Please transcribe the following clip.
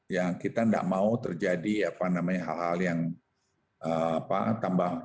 ya kita nggak mau terjadi apa namanya hal hal yang apa tambah